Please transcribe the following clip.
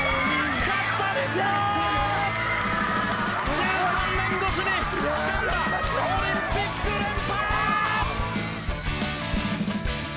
１３年越しにつかんだオリンピック連覇。